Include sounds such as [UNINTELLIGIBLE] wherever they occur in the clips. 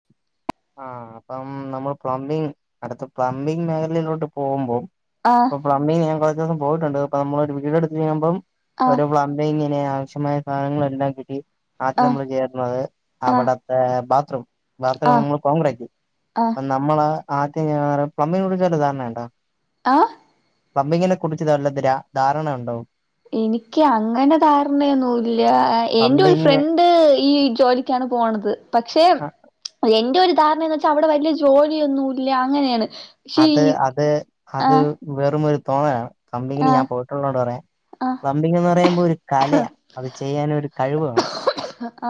[INAUDIBLE] ആ അപ്പം നമ്മൾ പ്ലംബിങ് അടുത്ത പ്ലംബിങ് മേഖലയിലോട്ട് പോകുമ്പോം ആഹ് പ്ലംബിങ് ഞാ കുറച്ച് ദിവസം പോയിട്ടണ്ട് അ നമ്മള് ഒരു വീടെടുത്ത് ചെയ്യുമ്പം ആഹ് ഒരു പ്ല ഇത് ഇങ്ങനെ ആവശ്യമായ സാധനങ്ങളെല്ലാം കിട്ടി ആദ്യം ആഹ് നമ്മള് ചേർന്നത് ആഹ് അവിടത്തെ ബാത്റൂം ബാത്റൂം ആഹ് നമ്മൾ കോമ് [UNINTELLIGIBLE] റക്കി ആഹ് നമ്മള് ആദ്യം പ്ലംബിൻകുടി ചെറുതാണെട്ടോ ആഹ് പ്ലമ്പിങ്ങിനെ കുറിച്ചത് വല്ലത് ധാരണ ഉണ്ടോ എനിക്ക് അങ്ങനെ ധാരണയൊന്നുല്ല എന്റെ ഒരു പ്ലംബിങ് ഫ്രണ്ട് ദേ ഈ ജോലിക്കാണ് പോണത് പക്ഷെ എന്റെ ഒരു ധാരണന്ന് വെച്ച അവിടെ വലിയ ജോലിയൊന്നുംല്ല അങ്ങനെയാണ് പക്ഷെ അത് ഈ അത് അത് ആഹ് വെറുമൊരു തോന്നലാണ് കമ്പനിയില് ആഹ് ഞാൻ പോയിട്ടള്ളതോണ്ട് പറയാ ആഹ് പ്ലബിങ് എന്ന് പറയുമ്പോ ഒരു കലയാണ് അത് ചെയ്യാനൊരു കഴിവ് വേണം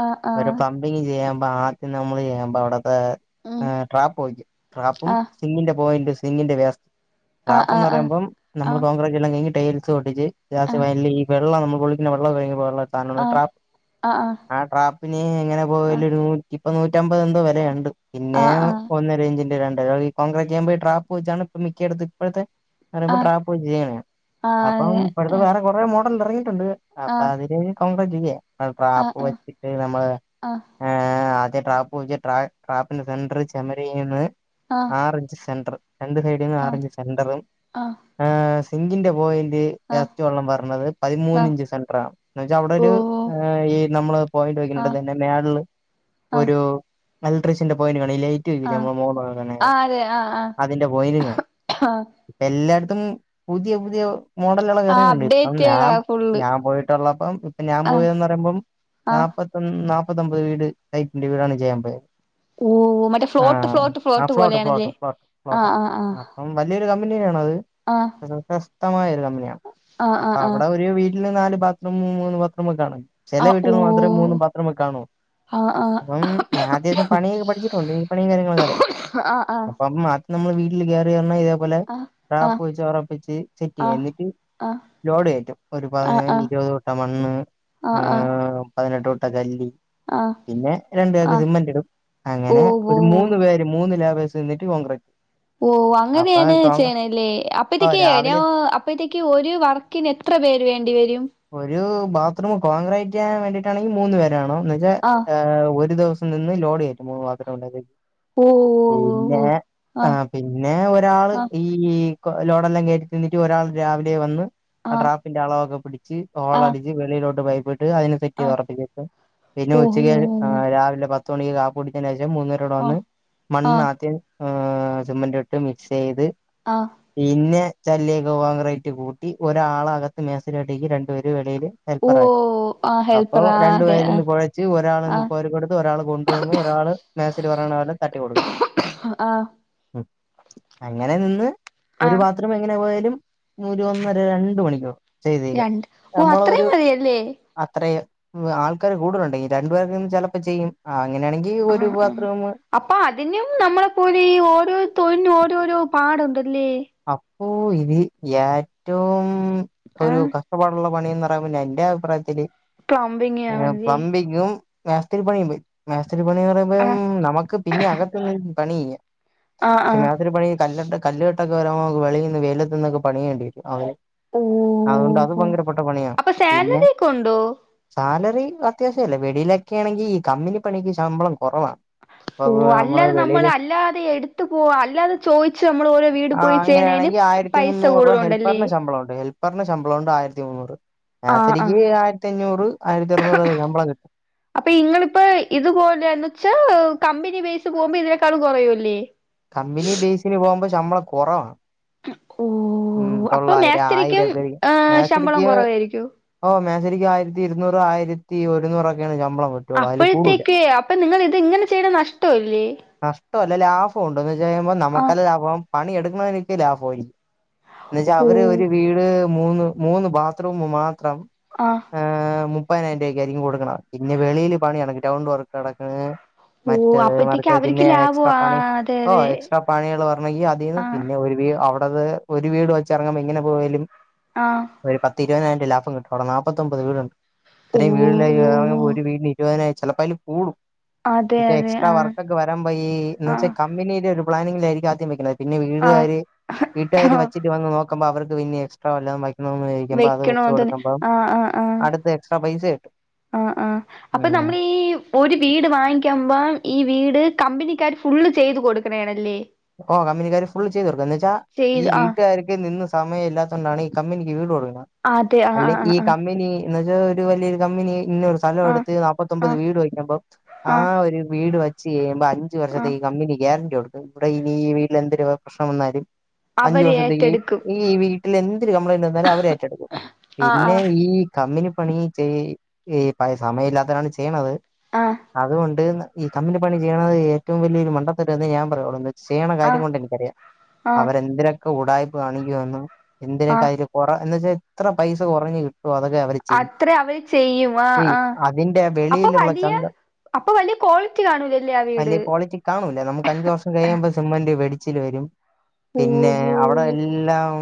ആഹ് ഒരു ആഹ് പ്ലംബിങ് ചെയ്യുമ്പ ആദ്യം നമ്മള് ചെയ്യാ്പ അവിടുത്തെ ഉം ആ ട്രാപ്പ് ചോയിക്കും ട്രാപ്പും ആഹ് സിങ്ങിന്റെ പോയിന്റ് സിങ്ങിന്റെ വേസ് ആഹ് റാപ്പന്ന് ആഹ് പറയ്മ്പം നമ്മള് ആഹ് കോൻക്രൈറ്റെല്ലാം കഴിഞ്ഞു ടൈൽസ് ഒട്ടിച്ച് ലാസ്റ്റ് ഫൈനല് [UNINTELLIGIBLE] കുളിക്ക ആഹ് വെള്ളം ആഹ് [UNINTELLIGIBLE] പിന്നെ എങ്ങനെ പോയൽ നൂറ്റി ഇപ്പം നൂറ്റമ്പത് എന്തോ വെലയുണ്ട് ആഹ് പിന്നെ ആഹ് ആഹ് ഒന്നരിഞ്ചിന്റെ രണ്ടര [UNINTELLIGIBLE] ട്രാപ്പ് വെച്ചാണ് ഇപ്പ മിക്കടുത്ത് ഇപ്പോഴത്തെ പറയുമ്പോൾ ആഹ് ട്രാപ്പ് പോയി ചെയ്യണാണ് അപ്പം ഇപ്പോഴത്തെ വേറെ കുറെേ മോഡൽ ഇറങ്ങിയിട്ടുണ്ട് അപ്പൊ ആഹ് അതില് കോൺഗ്ര ചെയ്യേ ആഹ് ആഹ് ഡ്രാപ്പ് ആഹ് ആഹ് വെച്ചിട്ട് നമ്മള് ആഹ് ഏഹ് ആദ്യ ട്രാപ്പ്വെച്ച് ട്രാപ്പിന്റെ സെന്റർ ചെമരിന്ന് ആറിഞ്ച് സെന്റർ രണ്ടു സൈടിന്നും ആഹ് ആഹ് ആഹ് ആഹ് ആറിഞ്ച് ആഹ് സെന്റർ ആഹ സിംഗിന്റെ പോയിന്റ് ആഹ് വേസ്റ്റ് വെള്ളം പറഞ്ഞത് പതിമൂന്ന് ആഹ് ഇഞ്ച് സെന്ററാണ് എന്ന വെച്ചാൽ അവിടെ ഒരു ഓഹ് ഈ നമ്മള് പോയിന്റ് വക്ണടത് ആഹ് തന്നെ മേളിൽ ആഹ് ഒരു ഇലക്ട്രിഷന്റെ പോയിന്റ് പണി ലേയ് ആഹ് ന്റമ്മോ മോ ആഹ് അതെ ആഹ് ആഹ് അതിന്റെ പോയിന്റ്ങ്ങ ആഹ് ഇപ്പ എല്ലായിടത്തും പുതിയ പുതിയ മോഡലുള്ള ആഹ് തൊക്കിറങ്ങിണണ്ട് ഇപ്പം അപ്ഡേറ്റ് ഞാൻ ഫുള്ള് ഞാൻ പോയിട്ടുള്ളപ്പം ഇപ്പൊ ഞാൻ ആഹ് പോയന്ന് പറയുമ്പം ആഹ് നാപ്പ നാല്പ്പത്തൊമ്പത് വീട് ഹൈറ്റിന്റെ വീടാണ് ജയൻ പോയത് ഓ മറ്റേ ഫ്ലോട്ട് ആഹ ഫ്ലോട്ട് ആ ഫ്ലോട്ട് പോലെയാണല്ലേ ഫ്ലോട്ട് ഫ്ലോട്ട് ഫ്ലോട്ട ആഹ് ആഹ് ആ അവൻ വലിയൊരു കമ്പിനിയിലാണത് ആഹ് പ്രശസ്തമായ ഒരു കമ്പനിയാണ് ആഹ് ആഹ് അപ്പൊ ആഹ് ആഹ് അവിടെ ഒരു വീട്ടി വീട്ടില് നാല് ബാത്റൂമം മൂന്ന് ബാത്റൂമൊക്ക കാണും ചില ആഹ് ഓ വീട്ടിൽ മാത്രം മൂന്ന് ബാത്രറൂമൊക്കെ കാണു ആഹ് ആഹ് അപ്പം ഞാൻ അത്യാവശ്യം പണിയൊക്കെ പഠിച്ചിട്ടുണ്ട് ഈ പണിയും കാര്യങ്ങളൊക്കെ അറിയാം ആഹ് അപ്പ ആദ്യം നമ്മള് വീട്ടിൽ കയറി ഉടനെ ഇതേപോലെ ആഹ് ആഹ് റാപ്പ് വെച്ച് ഉറപ്പിച്ച് ചെക്ക് യ്യാം ആഹ് എന്നിട്ട് ആഹ് ലോഡ് കയറ്റും ഒരു പതിന ആഹ് ആഹ് ആഹ് ഇരുപത് കൂട്ടം മണ്ണ് ആ ആഹ് ആഹ് പതിനെട്ട് കൂട്ടം കല്ല് ആഹ് പിന്നെ രണ്ട് ചാക്ക് ആഹ് സിമന്റ്‌ ഇടും ഓ അങ്ങനെ ഓ ഒരു ഓ മൂന്ന പേര് മൂന്ന് ലാബേ്സ്ിട്ട കോൺ്രക്റ്റ് [UNINTELLIGIBLE] ഓ അങ്ങനെയാണ് ചെയ്യണെ ല്ലെ ഓ അപ്പതേക്ക് നോ രാവിലെ അപ്പോഴത്തേക്ക് ഒരു വർക്കിന് എത്ര പേര് വേണ്ടിവരും ഒരു ബാത്റൂം കോൺക്രൈറ്റ് ചെയ്യാൻ വേണ്ടിയിട്ടാണെങ്കിൽ മൂന്ന് പേര് വേണം എന്ന് വെച്ചാൽ ആഹ് ആ ഒരു ദിവസം നിന്ന് ലോഡ് കയറ്റും മൂന്ന് വാത്രംഉണ്ടങ്കില് ഓ ഓ പിന്നെ ഓ ഓ ആഹ് പിന്നെ ഒരാള് ഈ ഈ കോ ലോഡെല്ലാം കയറി തിന്നിട്ട് ഒരാൾ രാവിലെ വന്ന് ആഹ് ആ ആഹ് ട്രാപ്പിന്റെ അളവൊക്കെ പിടിക്കും ച് ആഹ് ഹോളടിച്ച് വെളിയിലോട്ട് പൈപ്പിട്ട് അതിന് ആഹ് ച്ച് െറ്റ് ചെയറ [UNINTELLIGIBLE] പിന്നെ ഓഹോ ഉച്ചക്ക് രാവിലെ പത്തു മണിക്ക് കാപ്പടിച്ചതിന മൂന്നുപേരും ആഹ് ഇവിടെവന്ന് മണ്ണ് ആഹ് ആദ്യം സിമന്റ് ഇട്ട് മിക്സ് യ്ത് ആഹ് പിന്നെ ചല്ലിയൊക്കെ കോൺഗ്രറൈറ്റ് കൂട്ടി ഒരാള് അകത്ത് മേസ്തിരി ആയിട്ട് നിക്കും രണ്ടുപേരു വെളിയില് ഓ ഹെൽപ്പർ ആയി ആ അപ്പൊ ഹെൽപ്പറാ രണ്ടു അതെ പേര് ഇരുന്ന് ആഹ് കൊഴച്ച് ഒരാള് നിന്ന് ആഹ് കോരി കൊടുത്ത് ഒരാൾ കൊണ്ടുവന്ന് ഒരാള് മേശിരി പറയണ പോലെ തട്ടി കൊടുക്കും ആഹ് ഉം അങ്ങനെ നിന്ന് ആഹ് ഒരുപാ മാത്രം എങ്ങനെ പോയാലും ഒരു ഒന്നര രണ്ട് മണിക്കൂറ് ചെയ്ത് രണ്ട് ഓ നമ്മളൊ ഒരു അത്രയും മതിയല്ലേ അത്രേയും ആൾക്കാര് കൂടുതലുണ്ടെങ്കില് രണ്ടു പേർക്കന്ന് ചിലപ്പോ ചെയ്യും ആ അങ്ങനെയാണെങ്കിൽ ആഹ് ഒരു ആഹ് ബാത്റൂം അപ്പൊ അതിനും നമ്മളെപ്പോലെ ഈ ഓരോ തൊഴിലിനും ഓരോരോ പാട് ഉണ്ടല്ലേ അപ്പോൊ ഇത് ഏറ്റവും ഒരു ആഹ് കഷ്ടപ്പാടുള്ള പണിറയുംഎന്റെ അഭിപ്രായത്തില് പ്ലംബിംഗ് ആണല്ലേ പ്ലബിങ്ങും മേസ്തിരി പണിയ പോയി മേസ്തിരി പണി പറയുമ്പം ആഹ് നമുക്ക് പിന്നെ അകത്ത പണി ചെയ്യാം. ആഹ് പക്ഷെ ആഹ് മാതൊരു പണി കല്ലട്ട കല്ലെട്ടൊക്കെ വരാമ്പൊ വെളിയിൽന്ന് വെയിലത്ത് നിന്നൊക്കെ പണിയ്യേണ്ടി വരും. ഓ അതുകൊണ്ട് അത് ഓ ഭയങ്കരപ്പെട്ട പണിയാ അപ്പൊ പിന്നേ സാലറി ഒക്കെ ഉണ്ടോ സാലറി അത്യാവശ്യംല്ലേ വെളിയിലൊക്കെ ആണെങ്കിൽ ഈ കമ്പിൂഊനി പണിക്ക് ശമ്പളം കുറവാണ്. അപ്പൊ ഓഹ് നമ്മള് അല്ലാതെ നമ്മൾ വെളിയില് അല്ലാതെ എടുത്ത പോവാ അല്ലാതെ ചോദിച്ചച്ച് നമ്മൾ ഓരോ വീട് ആഹ് പോയി ചെയ്യണേന് അങ്ങനെയണെങ്കിൽ ആയിരത്തി പൈസ മുന്നൂറൂ കൂടുതലുണ്ടല്ലേ ഹെൽപ്പറിന് ശമ്പളം ഉണ്ട് ഹെപ്പർ പറഞ്ഞ ശമ്പളം ഉണ്ട് ആയിരത്തി മൂുന്നൂറ് ആഹ് ആഹ് സരിക്ക് ആയിരത്തി അഞ്ഞൂറ് ആയിരത്തി അറുനൂറ്ല്ല ശമ്പളം കിട്ടും. അപ്പൊ ഇങ്ങളിപ്പ ഇത്പോലലന്ന് വച്ചാ കമ്പനി ബേസ് പോകുമ്പോ ഇതിനേക്കാളും കൊറയൂല്ലേ- കമ്പനി ബേസിന് പോകുമ്പ ശമ്മള കൊറവാ ഓ ഉം അപ്പൊ തൊള്ളായിരം മേസ്തിരിക്കും ആയിരത്തി ഏഹ് ശമ്പളം മേസ്തിരിക്ക് കുറവായിരിക്കോ ഓഹ് മേശരിക്ക് ആയിരത്തി ഇരുന്നൂറ് ആയിരത്തി ഒരുന്നൂറൊക്കെയാണ് ശമ്പളം കിട്ടുള്ളൂ അതില് കൂടൂല അപ്പോഴത്തേക്ക് അപ്പൊ നിങ്ങ ഇത് ഇങ്ങനെ ചെയ്യണ നഷ്ടംല്ലേ? നഷ്ടല്ല ലാഭമുണ്ട എന്ന് വെ കഴുമ്പോ ആഹ് നമുക്കല്ല ലാഭവും പണി എടുക്കണോ രിക്ക് ലാഭവമായിരിക്കും. എന്ന വച്ചാൽ ഓ അവര് ഒരു വീട് മൂന്ന് മൂന്ന് ബാത്റൂം മാത്രം ആഹ് ഏഹ് മുപ്പതിനായിരം രൂപക്കായിയിരിക്കും കൊടുക്കണെ പിന്നെ വെളിയിൽ പണി നട ഗ്രൗണ്ട് വർക്ക് നടക്കണേന് ഓ അപ്പഴത്തേക്ക് മറ്റേമാർക്ക് അവർക്ക് പിന്നെ ലാഭം എക്സ്ട്രാ ആ പണി അതെ ഓഹ് എക്സ്ട്രാ അതെ പണികൾ വെരണൊങ്കിൽ അതിൽന്ന് ആഹ് പിന്നെ ഒരു അവിടത് ഒരു വീട് വെച്ചിറങ്ങുമ്പോ എങ്ങനെ പോയാലും ആഹ്. ഒരു പത്തിഇരുപതിനായിരം രുഅ ലാഭം കിട്ടനോട നാപ്പത്തൊമ്പത് വീടുണ്ട് ഓ ഇത്രയും വീ ല്ലാ അ അവന് ഓ ഒരു വീടിന് ഇരുപതിനായി ചിലപ്പോ അയ്ല് കൂടും- അതെ അതെ എക്സ്ട്രാ ആഹ് വർക്ക് ഒക്ക വരമ്പ ഈ എന്ന് വച്ചാ കം മ്പിനീലൊരു പ്ലാനിങ്ങിലാരിക്കും ആദ്യം വെക്കണത് പിന്നെ ആഹ് വീടുകാര് വീട്ടുകാര് ആഹ് വച്ചിട്ട് വന്ന് നോക്കുമ്പോ അവർക്ക് പിന്നെ എക്സ്ട്ര വല്ലതും വെ ഇന്നൊന്നിരിക്കുമ്പം അത് വെച്ച് വെക്കണോന്ന് തോന്നി കൊടുക്കുമ്പം ആഹ് ആഹ് ആഹ് അടുത്ത് എക്സ്ട്രാ പൈസ കിട്ടും. ആഹ് ആഹ് അപ്പൊ ഉം നമ്മള്ഈ ഒരു വീട് വാങ്ങിക്കമ്പം ഈ വീട് കമ്പനിക്കാര് ഫുള്ള് ചെയ്ത് കൊടുക്കണേആണല്ലേ? ഓഹ് കമ്പനികാര് ഫുള്ള് ചെയ്ത് കൊടുക്കും എന്ന്വെച്ചാ ഈ ചെയ്ത് ആഹ് വീട്ടുകാരിക്ക് നിന്ന് സമയം ഇല്ലാത്തോണ്ടാണ് ഈ കമ്മിനിക്ക് വീട് കൊടുക്കണ അതെ ആഹ് അല്ലെ ഈ ആഹ് ആഹ് കമ്മിനി എന്ന്വെച്ചാൽ ഒരു വലിയൊരു കമ്മിനി [UNINTELLIGIBLE] സ്ഥലം ആഹ് എടുത്ത് നാപ്പത്തൊമ്പത് ആഹ് വീട് വയ്ക്കുമ്പം ആ ആഹ് ഒരു വീട് വെച്ച് കഴിയുമ്പോ അ അഞ്ചു ആഹ് വർഷത്തേക്ക് കമ്മിനി ഗ്യാരണ്ടി കൊടുക്കും ഇവിടെ ഇനീ വീട്ടിൽ എന്തിരു വക പ്രശ്നം വന്നാലും അഞ്ചു അവര് വർഷത്തേക്ക് ഏറ്റെടുക്കും ഈ വീട്ടിൽ എന്തൊരു കംപ്ലെയിന്റ് വന്നാലും അവര് ഏറ്റെടുക്കും. ആഹ് പിന്നെ ഈ കമ്പിനി പണി ചെയ് ഈ പയ് സമയം ഇല്ലാത്തോരാണ് ചെയ്യണത് ആഹ് ആഹ് അതുകൊണ്ട് ഈ കമ്പീനി പണി ചെയ്യണത് ഏറ്റവും വലിയൊരു മണ്ടത്തരം എന്നേ ഞാൻ പറയുള്ളൂ മെ ചെയ്യണ കാര്യം ആഹ് കൊണ്ട് എനിക്കറിയാം ആഹ് അവരെന്തിരൊക്ക ഉടായ്പ് കാണിക്കോന്നും എന്തിരൊക്ക ആഹ് അതില് കൊറ എന്ന് വെച്ചാ എത്ര പൈസ കുറഞ്ഞ് കിട്ടോ അതൊക്കെ അവര് അത്രേ അവര് ചെയ്യും വാ ആഹ് അഹ്. നിന്റെ വീ അപ്പൊ വലിയ അപ്പൊ വലിയ ക്വാളിറ്റി കാണൂലല്ലേ ആഹ് വീട്. കാണൂല്ല നമുക്ക് അഞ്ചു വർഷം കഴിയമ്പോം സിമ്മെന്റ് വെടിച്ചിൽ വരും. പിന്നെ ഓഹോ അവിടെ എല്ലാം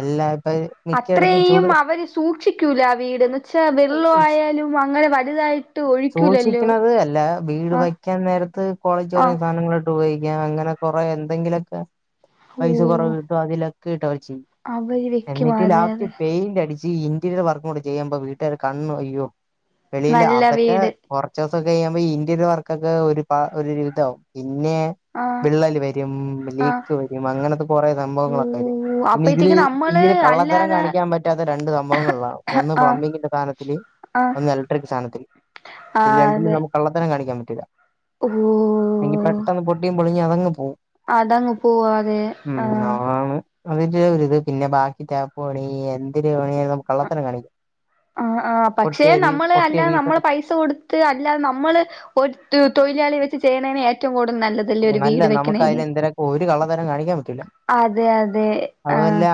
എല്ലാ പ അ അത്രെയും അവര് സൂക്ഷിക്കൂല വീട് ന്ന് വച്ചാ വെള്ളോ ആയാലും അങ്ങനെ വ ലുതായിട്ട് ഒഴി സൂക്ഷിക്കണന്നത് അല്ല വീട് വയ്ക്കാൻ നേരത്ത് ക്വാളിറ്റി ആഹ് കൊറഞ്ഞുസാധനങ്ങള് ട്ടു പയോഗിക്കാം അങ്ങനെ കൊറെ എന്തെങ്കിലുഒക്ക ഓ പൈസ കൊറവ് കിട്ടും അതിലൊക്കെ ട്ടവര് ചെയ്യ് അവര് വെക്കും എന്നിട്ട് അതെ അതെ ലാസ്റ്റ് പെയിന്റടി ച്ചീ ഇന്റീരിയർ വർക്കും കൂടി ചെയ്യുമ്പോ വീട്ട്കാര് കണ്ണ് അയ്യോ വെളീൽ നല്ല അതൊക്കെ വീട് കൊറചോസൊക്കഴിയുമ്പ ഇന്റീരി വർക്കൊക്കെ ഒരു പാ ഒരുരുതാവും പിന്നെ ആഹ് വിള്ളല് വരും ആഹ് ലീക്ക് വരും അങ്ങനത്തെ കൊറെ സംഭവങ്ങളൊക്കെ വരും ഓ പിന്നിതില് അപ്പഴത്തേക്ക് നമ്മള് ഇങ്ങില് കള്ളത്തരം അല്ലാതെ കാണിക്കാൻ പറ്റാത്ത രണ്ട് സംഭവങ്ങള്ളാ ഒന്ന് ആഹ് പ്ലംബിങ്ങിന്റെ സാനത്തില് ആഹ് ഒന്നെലക്ട്രിക് സാനത്തിൽ ആഹ് അതെ കള്ളത്തരം കാണിക്കാൻ പറ്റൂല്ല ഓ എങ്കി പെട്ടെന്ന് പൊട്ടിം ഞ്ഞി അതങ് പോം അതങ്ങ് പോവും അതെ ഉം ആഹ് അതാണ് അതിന്റെഒരിത് പിന്നെ ബാക്കി തേപ്പ്‌ പണീ എന്തിര് പണിന്ന് അ ആഹ് ആഹ് പക്ഷെ പൊട്ടിയ വീ നമ്മള് പൊട്ടിയ അല്ലാ വീസർ നമ്മള് പൈസ് സ കൊട്ത്ത് അല്ലാ നമ്മള് ഒരു ത് തൊഴിലാളിയെ വെച്ച് ചെയ്യണെയാണ് ഏറ്റവും കൂടുതൽ നല്ലത് നല്ല നമുക്കതില് എന്തര ഒരു കള്ളത്തരം കാണിക്കാൻ പറ്റൂല അതെ അതെ ആഹ്.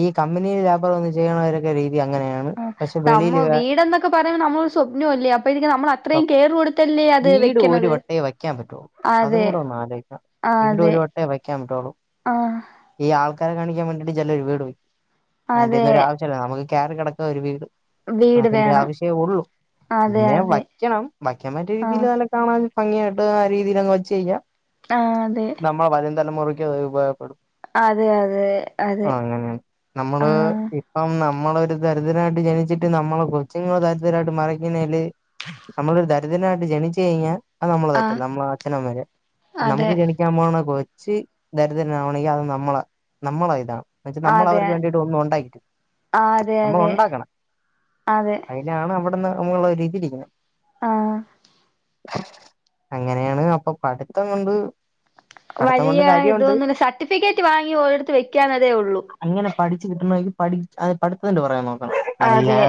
ഈ കമ്പനീൽ [UNINTELLIGIBLE] വന്ന് ചെയ്യണവരൊക്കെ രീതി അങ്ങനെയാ. ആഹ് നമ്മ വീടെന്നൊക്കെ പറയു നമ്മളൊരു സ്വപ്നം അല്ലേ അപ്പൊ ഇതിക്ക് നമ്മൾ അത്രയും കെയറ് കൊടുത്തല്ലേ അത് വീട് ഒരു വെക്കിന്നത്. വട്ടേ വയ്ക്കാൻ പറ്റോളൂ അതും കൂടെ ഒന്ന് ആലോയ്ക്ക ആഹ് വീട് അതെ ഒരു വട്ടേ വയ്ക്കാൻ പറ്റോളൂ ആഹ് ഈ ആൾക്കാരെ കാണിക്കാൻ വേണ്ടിട്ട് ചെലെഒരു വീട് അതെ അയിന്റെന്നും ഒരു ആവശ്യല്ല നമുക്ക് കയറി കെടക്കാ ഒരു വീട് വീട് അതിന്റെ വേണം ആവശ്യേ ഒള്ളൂ അതെ പിന്നെ അതെ വയ്ക്കണം വയ്ക്കാൻ [UNINTELLIGIBLE] ആഹ് നല്ല കാണാനും ഭംഗിയായിട്ട് ആ രീതിയിലങ്ങ് വെച്ചെയ്യാ ആഹ് അതെ നമ്മളെ വരും തലമുറയ്ക്കത് ഉപയോഗപ്പെടും അതെ അതെ അതെ ആഹ് അങ്ങനെ നമ്മള് ആഹ് ഇ പ്പം നമ്മള് ഒരു ദരിദ്രാനായിട്ട് ജനിച്ചിട്ട് നമ്മളെ കൊച്ചുങ്ങൾ ദരിദ്രരായിട്ട് മാറിക്കുന്നേല് നമ്മള് ഒരു ദരിദ്രനായിട്ട് ജനിച്ചു കഴിഞ്ഞാ അത് നമ്മളെ തെറ്റല്ല ആഹ് നമ്മളാ ച്ഛനമ്മെടെ പ്പ അതെ നമുക്ക് ജനി ക്കാൻ പോണ കൊച്ച് ദരിദ്രനാവണങ്കി അത് നമ്മളെ നമ്മളെ ഇതാണ്. ന്ന് വെച്ച് അതെ നമ്മളവർക്ക് ആഹ് വേണ്ടിട്ട് ഒന്നും ഉണ്ടാ [UNINTELLIGIBLE] അതെ അതെ നമ്മളുണ്ടാക്കണം. അതെ ഐ ഞ്ഞാണ് അവ്ട്ന്ന് അമ്മൊള് രികിടിക്ക്ണ് ആഹ് അങ്ങനേണ് അപ്പം പഠിത്തം കൊണ്ട് പഠിത്തം വലിയ കൊണ്ട് കാര്യമുണ്ട് ഇതൊന്ന്ല്ല സർട്ടിഫിക്കറ്റ് വാങ്ങി ഓരിടത്ത് വെക്കാന്നതേ ഒള്ളൂ അങ്ങനെ പഠിച്ച് കിട്ടണങ്കി പഠി അത് പഠിത്ത്ന്റെ പറയാമൊ? അതെ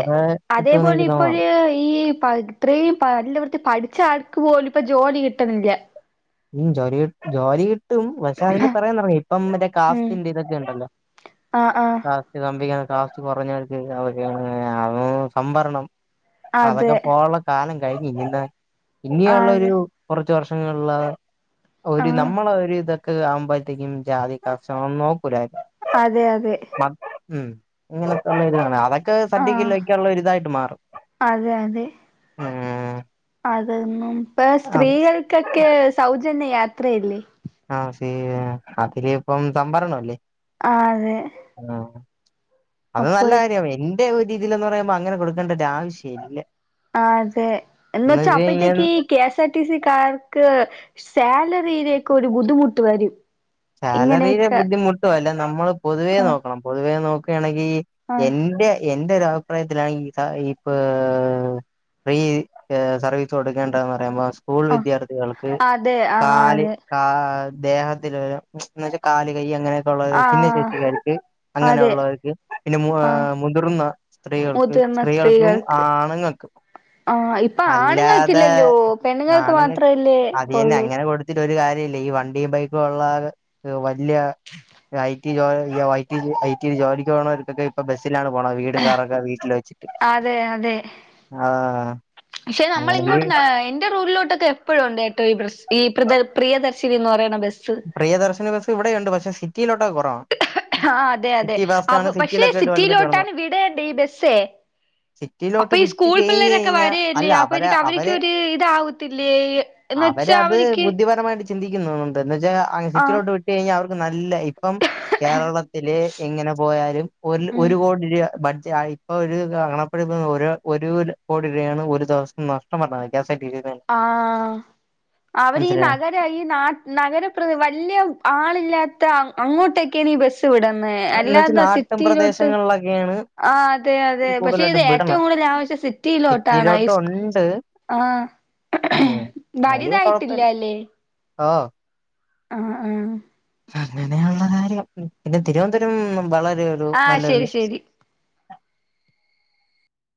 അതേ പോലെ തോന്നുന്നു ഇപ്പഴ് ഈ പ ത്രേം പല്ല് വൃത്തി പഠിച്ച ആൾക്ക് പോലും പ്പ ജോലി കിട്ട്ണില്ല ഉം ജോലി ജോലി ട്ടും പഷെ അതിന്റെ പിറകെന്ന്റങ്ങി ഇപ്പം മറ്റെ ഉം കാസ്റ്റ് ഇന്റീരിയൊക്കെണ്ടല്ലോ ആഹ് [UNINTELLIGIBLE] കാസ്റ്റ് കുറഞ്ഞവർക്ക് [UNINTELLIGIBLE] അത് സംവരണം അതെ അതൊക്കെ പോവാള്ള കാലം കഴിഞ്ഞ് ഇനിന്ന് ഇനിയള്ളൊരു അതെ കുറച്ച് വർഷങ്ങൾല ഒര് ആഹ് നമ്മളെ ഒരു ഇതൊ ക്ക് ആവുമ്പഴത്തേക്കും ജാതി കർഷണൊന്നും നോക്കൂലായ് അതെ അതെ ഉം ഇങ്ങനെ സമ്മയിച്ച് [UNINTELLIGIBLE] അവ ക്ക് സർട്ടിക്കിൽ ആഹ് വെക്കാള്ള ഒരിതായിട്ട് മാറും അതെ അതെ ഉം അതൊന്നും ഇപ്പ അത് സ്ത്രീകൾക്കൊക്കെ സൗജന്യ യാത്രയില്ലേ ആഹ് ശ അതില് ഇപ്പം സംഭരണ അല്ലേ ആഹ് അതെ ആഹ് അത് അപ്പൊ നല്ല കാര്യാ എൻ എൻ്റെ ഒരീതില് എന്ന് പറയുമ്പോ അങ്ങനെ കൊടുക്കണ്ട ഒരാവശ്യം ഇല്ല ആഹ് അതെ എന്ന് വെച്ചാ വെച്ച് കഴിഞ്ഞാൽ അപ്പഴത്തേക്ക് ഈ കേസാ ർടി സിക്കാർക്ക് സാലറിയിലേക്ക് ഒരു ബുദ്ധിമുട്ട് വരും സാലറിയിലെ ഇങ്ങനെയൊക്കെ ബുദ്ധിമുട്ടും അല്ല നമ്മള് പൊതുവേ ആഹ് നോക്കണം പൊതുവേ നോക്കാ ണെങ്കി ആഹ് എന്റെ എന്റെ ഒരു അഭിപ്രായത്തിലാണ് ഇ ഈപ്പ് ഫ്രീ സർവീസ് കൊടുക്കേണ്ടന്ന് പറയുമ്പോ സ്കൂൾ ആഹ് വിദ്യാർത്ഥികൾക്ക് അതെ ആഹ് കാല് അതെ കാ ദേഹത്തിലൊര് ന്ന്ച്ച കാല് കയ്യ് അങ്ങനെ ള്ള ആഹ് ഭിന്നശേഷിക്കാര്ക്ക് അതെ അങ്ങനെയുള്ളവർക്ക് പിന്നെ ആഹ് മുതിർന്ന സ്ത്രീകൾക്ക് മുതിർന്ന സ്ത്രീകൾക്കും സ്ത്രീകൾക്ക് ആണ്ങ്ങക്കും ആഹ് ഇപ്പൊ അല്ലാതെ ആണുങ്ങൾക്കില്ലല്ലോ പെണ്ണുങ്ങൾക്ക് ആണ്ങ്ങ മാത്രല്ലേ അതിയന്നെ ഒള്ളൂ അങ്ങനെ കൊടു ത്തിട്ട് ഒര്കാര്യല്ല ഈ വണ്ടിയും ബൈക്കും ഉള്ള ആള് ഒര് വല്ല്യ ഐ ടി ജോലിക്ക് ഐടി ജോലിക്ക് പോണോർക്കൊക്കെ ഇപ്പൊ ബസ് ലാണ് പോണത് വീടും കറൊക്കെ വീട്ടിൽ വെച്ചിട്ട് അതെ അതെ ആഹ് പക്ഷെ നമ്മള് അങ്ങനെ ഇങ്ങോട്ട് എന്റെ റോഡിലോട്ടൊക്കെ എപ്പഴും ഉണ്ട് കെട്ടോ ഈ ബസ് ഈ പ്ര പ്രിയദർശിനി എന്ന് പറയുന്ന ബസ്സ് പ്രിയദർശനി ബസ് ഇവിടെയ്ണ്ട് പക്ഷെ സിറ്റിയിലോട്ടെക്കെ കുറവാ ആഹ് അതെ അതെ പഷെ സിറ്റിയിലൊക്കെ ആയിട്ട് വലുതായിട്ട് സിറ്റിയിലോട്ടാണ് വിടേണ്ട ഈ ബസ്സെ അപ്പ സിറ്റിയിലോട്ട് ഈ വിട്ട് സ്കൂൾ കഴിഞ്ഞ് പിള്ളേരൊക്കെ കഴിഞ്ഞാ വര്ല്ലേ അല്ല അവരെ അപ്പൊത്തിക്ക് അവർക്ക് അവരെ ഒരു ഇതാവത്തില്ലേ എന്ന് വച്ചാ അവരത് അവരിക്ക് ബുദ്ധിപരമായിട്ട് ചിന്തിക്കുന്നുണ്ട് എന്ന് വെച്ചാ അ സിറ്റിലോട്ട് വിട്ട് കഴിഞ്ഞാ അവർക്ക് നല്ല ഇപ്പം കേരളത്തില് എങ്ങനെ പോയാലും ഒര് ഉം ഒരു കോടി രൂപ ബഡ്ജ് ആയി ഇപ്പൊ ഒരു [UNINTELLIGIBLE] ഒരു ഒരു കോടി രൂപയാണ് ഒരു ദിവസം നഷ്ടം വരണത് കെ എസ് ടി സി ആഹ് അവരീ മനസ്സിലായ നഗര ര ഈ നാ നഗരം പ്ര വലിയ ആളില്ലാത്ത അങ്ങോട്ടെക്കേണ് ഈ ബസ്സ് വിടന്നേ അല്ലാതാ സിറ്റിയിലോട്ട് ക്കെ ആണ് ആ അതെ അതെ പക്ഷെ ഇത് ഏറ്റവും കൂടുതൽ ആവശ്യ സിറ്റിയിലോട്ടാണ് സിറ്റിയിലോട്ട് സ് ഉണ്ട് ആഹ് ഉം വലുതായിട്ടില്ല അല്ലേ ഓഹ് ആഹ് ആഹ് അങ്ങനെയുള്ള കാര്യം പിന്നെ തിരുവനന്തപുരം വളരെ ഒരു ആഹ് നല്ലൊരു ശരി ശരി